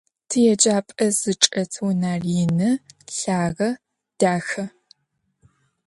Тиеджапӏэ зычӏэт унэр ины, лъагэ, дахэ.